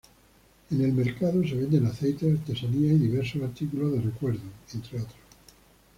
En el mercado se venden aceites, artesanías y diversos artículos de recuerdo, entre otros.